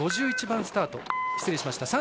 ３１番スタート